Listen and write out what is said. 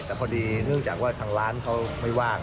แต่พอดีเนื่องจากว่าทางร้านเขาไม่ว่าง